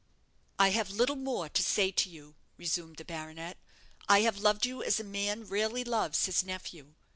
"I have little more to say to you," resumed the baronet. "I have loved you as a man rarely loves his nephew.